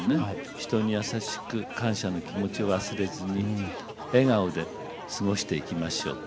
人に優しく感謝の気持ちを忘れずに笑顔で過ごしていきましょう。